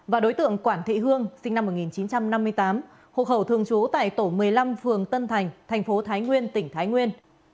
và đối tượng quản thị hương sinh năm một nghìn chín trăm năm mươi tám hộ khẩu thường trú tại tổ một mươi năm phường tân thành thành phố thái nguyên tỉnh thái nguyên